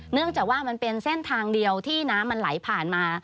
เนื่องจากว่ามันเป็นเส้นทางเดียวที่น้ำมันไหลผ่านมา